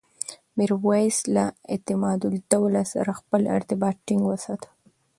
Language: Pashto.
میرویس له اعتمادالدولة سره خپل ارتباط ټینګ وساته.